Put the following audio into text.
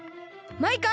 マイカ！